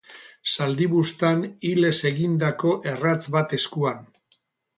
Zaldi buztan ilez egindako erratz bat eskuan.